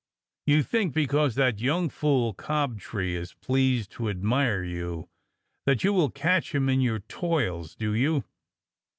You think because that young fool Cob tree is pleased to admire you, that you will catch him in your toils, do you?